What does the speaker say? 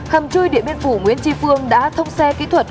hầm trui địa biên phủ nguyễn tri phương đã thông xe kỹ thuật